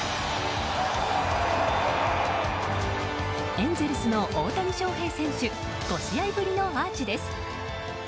エンゼルスの大谷翔平選手５試合ぶりのアーチです。